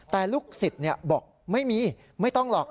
แต่ลูกศิษย์บอกไม่มีไม่ต้องหรอก